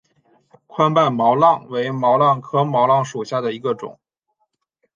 宽瓣毛茛为毛茛科毛茛属下的一个种。